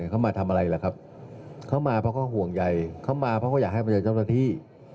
เขามาทำอะไรล่ะครับเขามาเพราะเขาห่วงใยเขามาเพราะเขาอยากให้มาเจอเจ้าหน้าที่